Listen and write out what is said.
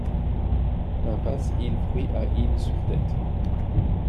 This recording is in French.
Impasse Ille Fruits à Ille-sur-Têt